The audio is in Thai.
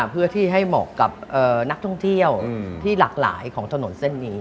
เพื่อที่ให้เหมาะกับนักท่องเที่ยวที่หลากหลายของถนนเส้นนี้